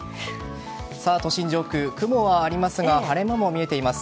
都心上空、雲はありますが晴れ間も見えています。